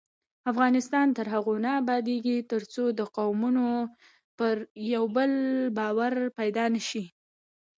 افغانستان تر هغو نه ابادیږي، ترڅو د قومونو پر یو بل باور پیدا نشي.